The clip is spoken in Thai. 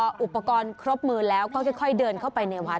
พออุปกรณ์ครบมือแล้วก็ค่อยเดินเข้าไปในวัด